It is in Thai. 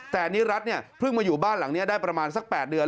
แต่นิรัติเนี่ยเพิ่งมาอยู่บ้านหลังนี้ได้ประมาณสัก๘เดือน